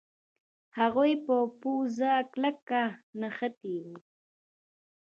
هغوی په پوزه کلک نښتي وو.